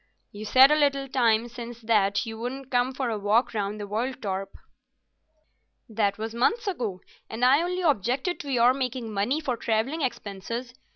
"You said a little time since that you wouldn't come for a walk round the world, Torp." "That was months ago, and I only objected to your making money for travelling expenses.